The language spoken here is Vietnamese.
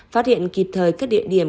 phát hiện kịp thời các địa điểm